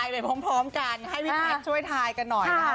ให้พี่แพทย์ช่วยทายกันหน่อยนะครับ